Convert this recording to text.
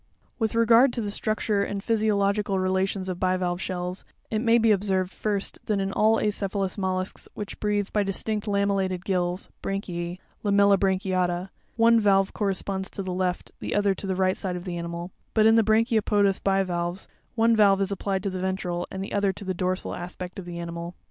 With regard to the structure and physiological relations of bivalve shells, it may be observed, first, that in all acephalous mollusks which breathe by distinct lamellated gills (branchiz), —Lamellibranchiata,—one valve corresponds to the left, the other to the right side of the animal; but in the brachiopodous bivalves, one valve is applied to the ventral, and the other to the dorsal aspect of the animal.